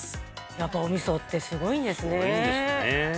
やっぱお味噌ってすごいんですねすごいんですね